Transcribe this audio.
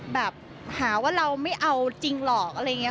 แบบหาว่าเราไม่เอาจริงหรอกอะไรอย่างนี้